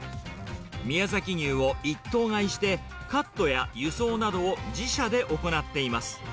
宮崎牛を一頭買いして、カットや輸送などを自社で行っています。